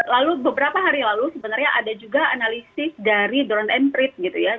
lalu beberapa hari lalu sebenarnya ada juga analisis dari drone and prit